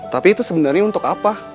tapi itu sebenarnya untuk apa